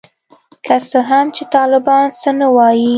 که څه هم چي طالبان څه نه وايي.